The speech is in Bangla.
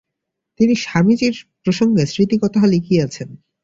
তিনি স্বামীজীর প্রসঙ্গে স্মৃতিকথা লিখিয়াছেন।